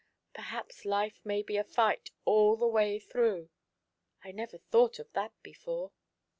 Perhaps life may be a fight all the way through. I never thought of that before."